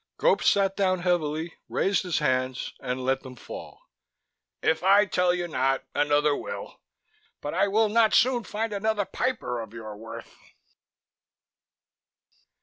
Gope sat down heavily, raised his hand, and let them fall. "If I tell you not, another will. But I will not soon find another Piper of your worth."